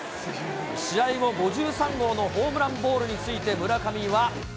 試合後、５３号のホームランボールについて、村上は。